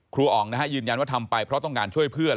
อ๋องนะฮะยืนยันว่าทำไปเพราะต้องการช่วยเพื่อน